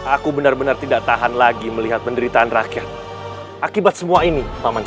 aku benar benar tidak tahan lagi melihat penderitaan rakyat akibat semua ini paman